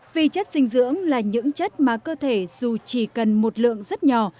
vì chất dinh dưỡng là những chất mà cơ thể dù chỉ cần một lượng rất nhỏ